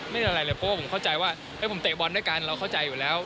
ไม่เป็นไรเลยเพราะว่าผมเข้าใจว่าผมเตะบอลด้วยกันเราเข้าใจอยู่แล้ว